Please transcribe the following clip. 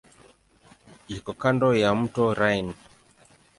Iko kando ya mto Rhine.